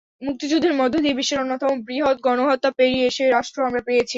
মুক্তিযুদ্ধের মধ্য দিয়ে, বিশ্বের অন্যতম বৃহৎ গণহত্যা পেরিয়ে সেই রাষ্ট্র আমরা পেয়েছি।